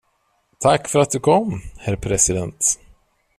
Tack för att du kom, herr president.